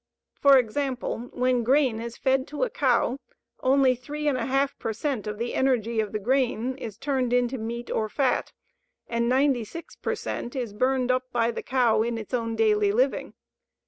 For example, when grain is fed to a cow, only 3½ per cent of the energy of the grain is turned into meat or fat, and 96 per cent is burned up by the cow in its own daily living.